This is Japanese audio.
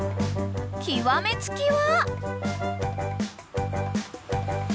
［極め付きは］